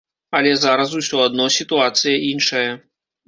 Але зараз усё адно сітуацыя іншая.